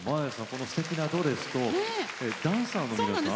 このすてきなドレスとダンサーの皆さん？